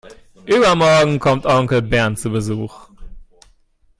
Übermorgen kommt Onkel Bernd zu Besuch.